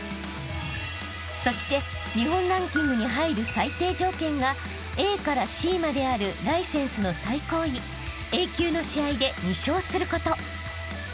［そして日本ランキングに入る最低条件がＡからＣまであるライセンスの最高位Ａ級の試合で２勝すること］